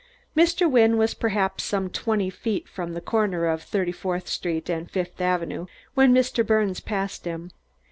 Mr. Wynne was perhaps some twenty feet from the corner of Thirty fourth Street and Fifth Avenue when Mr. Birnes passed him.